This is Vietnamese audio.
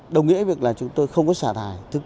đồng nghĩa việc là chúng tôi không có xả thải thứ cấp